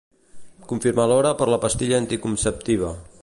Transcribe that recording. Confirmar hora per la pastilla anticonceptiva.